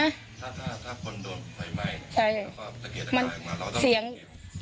ถ้าคนโดนไฟไหมแล้วก็เกลียดอะไรออกมาเราต้องรู้สึก